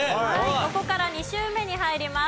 ここから２周目に入ります。